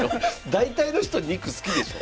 大体の人肉好きでしょ。